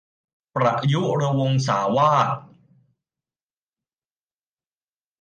ประยุรวงศาวาส